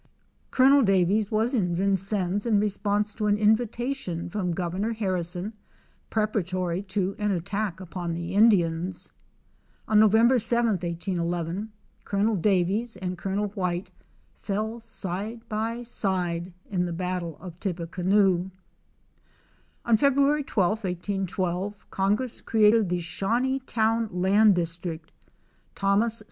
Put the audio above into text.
Colonel Daviees was in Vincennes in response to an invitation from Governor Harrison preparatory to an attack upon the Indians. On Nov. 7, 1811, Colonel Daviess and Colonel White fell side by side in the Battle of Tippfcanoe. On Feb. 12, 1812, Congress created the Shawneetown land district Thos.